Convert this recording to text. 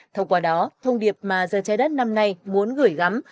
thông qua đó thông điệp mà giờ trái đất năm nay muốn gửi gắm